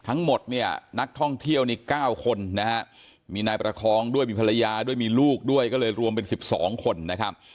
ทั้งหมดเนี่ยนักท่องเที่ยวนี่๙คนนะฮะมีนายประคองด้วยมีภรรยาด้วยมีลูกด้วยก็เลยรวมเป็น๑๒คนนะครับ